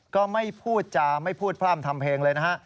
ก็ไม่พูดจาไม่พูดพร่ำทำเพลงเลยนะฮะ